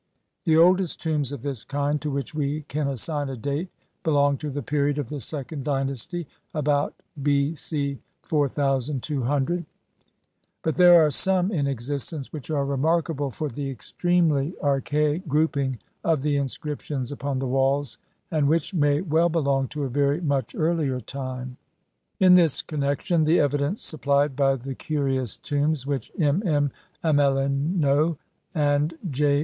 The oldest tombs of this kind to which we can assign a date belong to the period of the second dynasty, about B. C. 4200, but there are some in existence which are remarkable for the extremely ar THE HISTORY OF THE BOOK OF THE DEAD. XLI chaic grouping of the inscriptions upon the walls and which may well belong to a very much earlier time. In this connexion the evidence supplied by the curious tombs which MM. Amelineau and J.